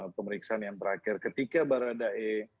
pemeriksaan yang terakhir ketika barada e